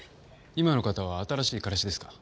今の方は新しい彼氏ですか？